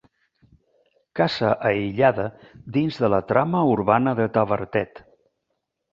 Casa aïllada dins de la trama urbana de Tavertet.